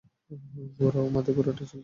ঘোড়া ও মাদী ঘোড়াটি ছুটতে লাগল।